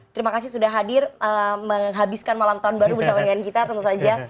terima kasih sudah hadir menghabiskan malam tahun baru bersama dengan kita tentu saja